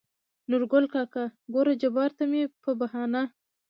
نورګل کاکا: ګوره جباره ته مې په بهانه